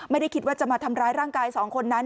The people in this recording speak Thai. ไม่ได้คิดว่าจะมาทำร้ายร่างกายสองคนนั้น